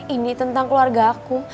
ini tentang keluarga aku